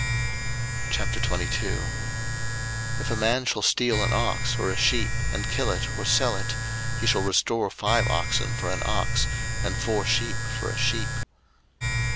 02:022:001 If a man shall steal an ox, or a sheep, and kill it, or sell it; he shall restore five oxen for an ox, and four sheep for a sheep.